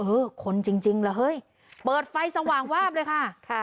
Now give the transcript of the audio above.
เออคนจริงจริงเหรอเฮ้ยเปิดไฟสว่างวาบเลยค่ะค่ะ